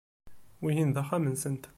Wihin d axxam-nsent.